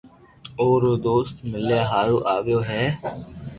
او رو دوست مليا ھارو آيو ھي